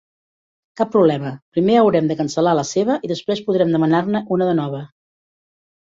Cap problema, primer haurem de cancel·lar la seva i després podrem demanar-ne una nova.